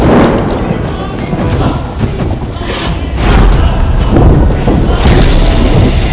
aku akan membunuhmu